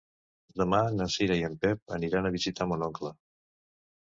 Demà na Cira i en Pep aniran a visitar mon oncle.